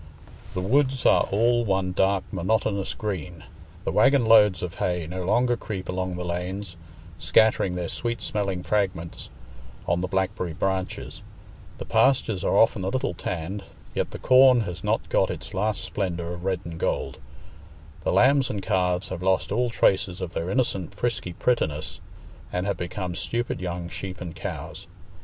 The woods are all one dark monotonous green; the waggon loads of hay no longer creep along the lanes, scattering their sweet smelling fragments on the blackberry branches; the pastures are often a little tanned, yet the corn has not got its last splendour of red and gold; the lambs and calves have lost all traces of their innocent frisky prettiness, and have become stupid young sheep and cows.